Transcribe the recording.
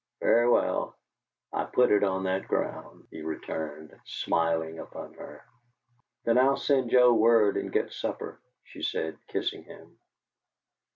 "Very well, I put it on that ground," he returned, smiling upon her. "Then I'll send Joe word and get supper," she said, kissing him.